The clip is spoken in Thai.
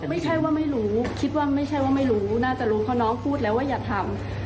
ไม่ใช่ว่าไม่รู้คิดว่าไม่ใช่ว่าไม่รู้น่าจะรู้เพราะน้องพูดแล้วว่าอย่าทำ